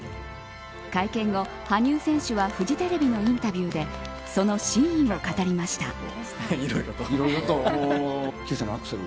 会見後、羽生選手はフジテレビのインタビューでその真意を語りました。